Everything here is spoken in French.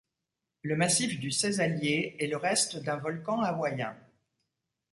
Le massif du Cézallier est le reste d'un volcan hawaïen.